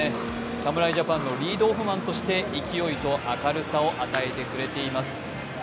侍ジャパンのリードオフマンとして勢いと明るさを与えてくれています。